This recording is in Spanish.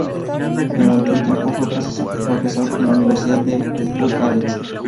Durante un tiempo, fue profesor en la Universidad de Bucarest.